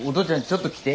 ちょっと来て。